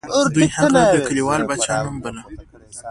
دوی هغه د کلیوال پاچا په نوم باله.